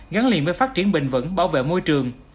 gắn liền với phát triển bình vẫn bảo vệ môi trường